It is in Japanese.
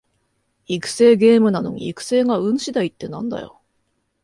育成ゲームなのに育成が運しだいってなんだよ